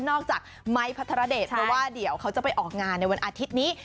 อกจากไม้พัทรเดชเพราะว่าเดี๋ยวเขาจะไปออกงานในวันอาทิตย์นี้